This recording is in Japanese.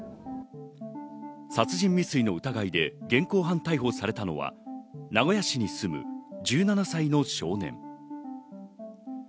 殺人未遂の疑いで現行犯逮捕されたのは、名古屋市に住む１７歳の少年。